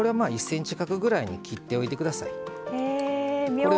１ｃｍ角ぐらいに切っておいてください。